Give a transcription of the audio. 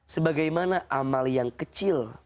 sebagaimana amal yang kecil